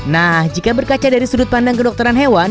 nah jika berkaca dari sudut pandang kedokteran hewan